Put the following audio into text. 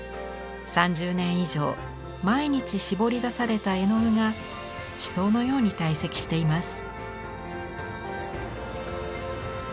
３０年以上毎日絞り出された絵の具が地層のように堆積しています。